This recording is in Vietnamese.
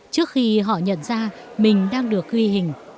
trước khi họ nhận ra mình đang được ghi hình